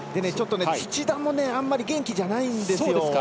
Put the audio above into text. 土田もあまり元気じゃないんですよ。